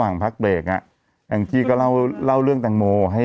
นะคะอย่างนี้ก็เล่าเรื่องตังโม